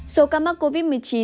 số ca mắc covid một mươi chín